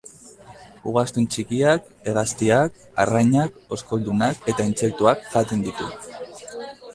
Ugaztun txikiak, hegaztiak, arrainak, oskoldunak eta intsektuak jaten ditu.